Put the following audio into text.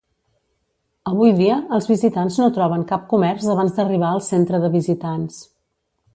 Avui dia, els visitants no troben cap comerç abans d'arribar al centre de visitants.